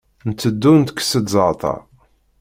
Nteddu ntekkes-d zzeɛter.